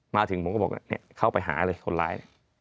มาถึงผมก็บอกเหนี่ยเขาไปหาเลยคนร้าย